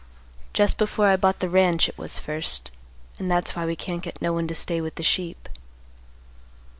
Just before I bought the ranch, it was first; and that's why we can't get no one to stay with the sheep.